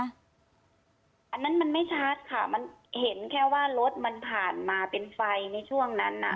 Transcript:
อันนั้นมันไม่ชัดค่ะมันเห็นแค่ว่ารถมันผ่านมาเป็นไฟในช่วงนั้นน่ะ